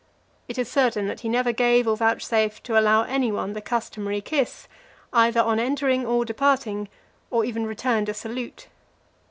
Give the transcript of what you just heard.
It is certain that he never gave or vouchsafed to allow any one the customary kiss, either on entering or departing, or even returned a salute.